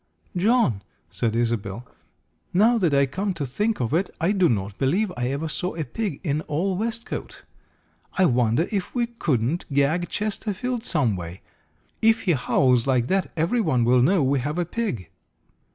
"John," said Isobel, "now that I come to think of it I do not believe I ever saw a pig in all Westcote. I wonder if we couldn't gag Chesterfield some way? If he howls like that every one will know we have a pig."